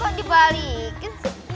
kok dibalikin sih